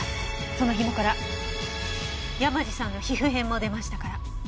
その紐から山路さんの皮膚片も出ましたから。